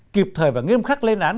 kịp thời và nghiêm khắc lên án